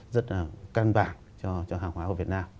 rất là căn bản cho hàng hóa của việt nam